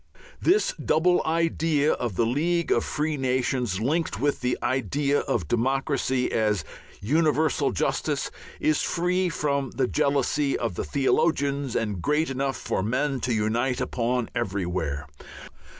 This double idea of the League of Free Nations, linked with the idea of democracy as universal justice, is free from the jealousy of the theologians and great enough for men to unite upon everywhere.